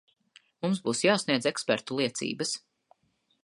Mums būs jāsniedz ekspertu liecības.